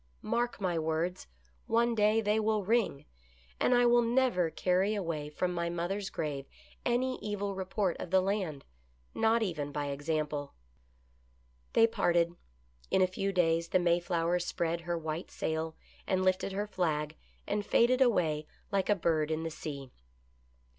Mark my words, one day they will ring ; and I will never carry away from my mother's grave any evil report of the land, not even by example." They parted. In a few days the Mayflower spread her white sail and lifted her flag, and faded away like a bird in the sea.